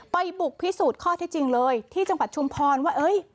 ไปบุกพิสูจน์ข้อที่จริงเลยที่จังหวัดชุมพรว่า